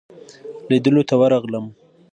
لیدلو ته ورغلم.